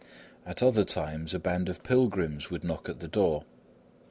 At other times, a band of pilgrims would knock at the door.